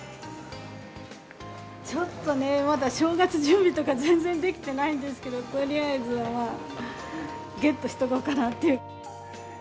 ちょっとね、まだ正月準備とか全然できてないんですけど、とりあえずまあ、ゲットしとこうかなっていう。